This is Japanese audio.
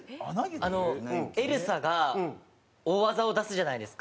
エルサが大技を出すじゃないですか。